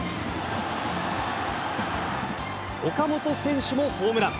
岡本選手もホームラン。